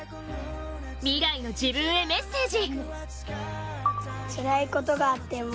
未来の自分へメッセージ。